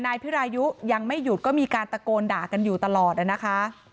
นายสาราวุธคนก่อเหตุอยู่ที่บ้านกับนางสาวสุกัญญาก็คือภรรยาเขาอะนะคะ